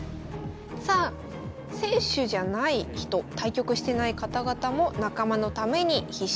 さあ選手じゃない人対局してない方々も仲間のために必死に戦います。